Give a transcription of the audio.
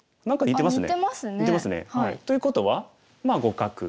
似てますね。ということはまあ互角。